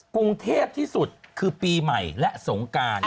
กรุงเทพที่สุดคือปีใหม่และสงการ